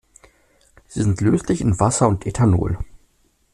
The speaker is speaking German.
Sie sind löslich in Wasser und Ethanol.